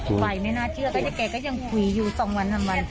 ไหวไม่น่าเชื่อแล้วแกก็ยังคุยอยู่สองวันสามวัน